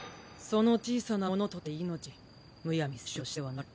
その小さなものとて命むやみに殺生をしてはならぬ。